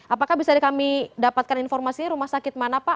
apakah bisa kami dapatkan informasi rumah sakit mana pak